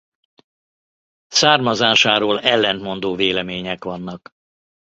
Származásáról ellentmondó vélemények vannak.